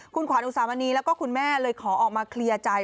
คุณขวัญอุตสามนี้และคุณแม่เลยขอออกมาเคลียร์ใจ